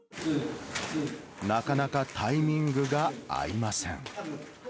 なかなかタイミングが合いません。